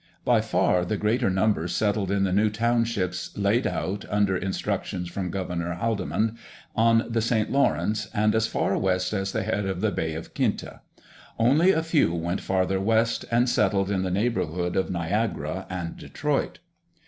By far the greater number settled in the new townships laid out, under instructions from Governor Haldimand, on the St. Lawrence, and as far west as the head of the Bay of Quinte. Only a few went farther west and settled in the neighbourhood of Niagara and Detroit.